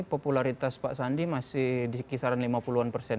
popularitas pak sandi masih di kisaran lima puluh an persen